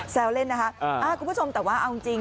เล่นนะคะคุณผู้ชมแต่ว่าเอาจริง